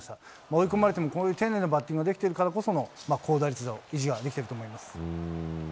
追い込まれてもこういう丁寧なバッティングができてるからこその高打率の意地ができてると思います。